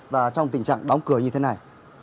và trong tình trạng đóng cửa như thế này